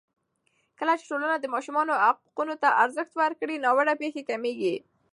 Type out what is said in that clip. کله چې ټولنه د ماشومانو حقونو ته ارزښت ورکړي، ناوړه پېښې کمېږي.